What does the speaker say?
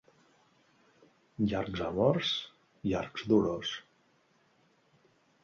Llargs amors, llargs dolors.